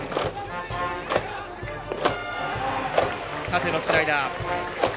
縦のスライダー。